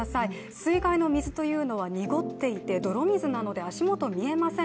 水害の水というのは濁っていて、泥水なので、足元、見えません。